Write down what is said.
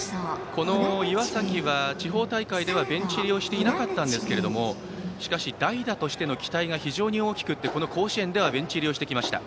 この岩崎は地方大会ではベンチ入りをしていなかったんですけれども代打としての期待が非常に大きくこの甲子園ではベンチ入りをしてきました。